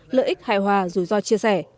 lợi ích hại hòa rủi ro chia sẻ